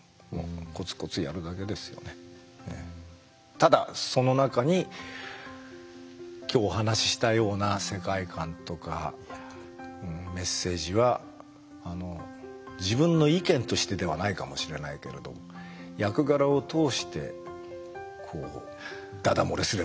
ただその中に今日お話ししたような世界観とかメッセージは自分の意見としてではないかもしれないけれど役柄を通してだだ漏れすればいいなとは思ってます。